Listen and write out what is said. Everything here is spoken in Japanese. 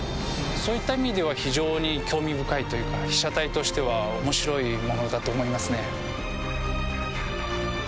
そういった意味では非常に興味深いというか被写体としては面白いものだと思いますね。